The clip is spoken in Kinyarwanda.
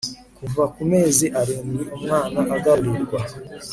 kuva kumezi arindwi umwana agaburirwa